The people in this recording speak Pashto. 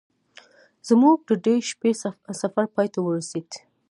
زموږ د دې شپې سفر پای ته ورسید.